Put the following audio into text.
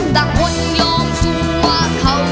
ต่างคนยอมซูวะเขา